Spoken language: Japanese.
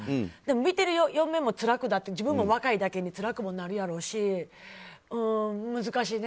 見てる嫁も自分も若いだけにつらくもなるやろし難しいね。